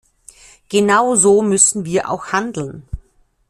Genau so müssen wir auch handeln.